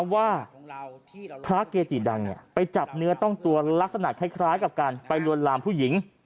ว่าพระเกจิดังไปจับเนื้อต้องตัวลักษณะคล้ายกับการไปลวนลามผู้หญิง